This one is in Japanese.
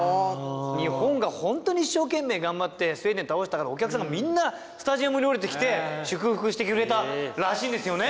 日本がホントに一生懸命頑張ってスウェーデン倒したからお客さんがみんなスタジアムに下りてきて祝福してくれたらしいんですよね。